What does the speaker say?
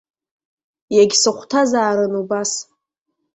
Иагьсыхәҭазаарын убас!